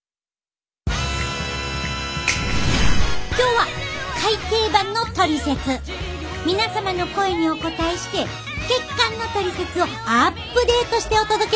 今日は皆様の声にお応えして血管のトリセツをアップデートしてお届けします。